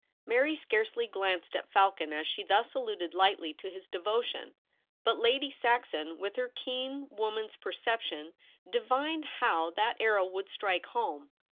Mary scarcely glanced at Falcon as she thus alluded lightly to his devotion ; but Lady Saxon, with her keen woman's perception, divined how that arrow would strike home.